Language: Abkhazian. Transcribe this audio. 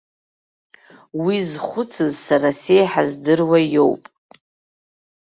Уи зхәыцыз сара сеиҳа здыруа иоуп.